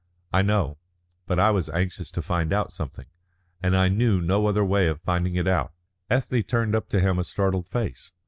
"I know. But I was anxious to find out something, and I knew no other way of finding it out." Ethne turned up to him a startled face.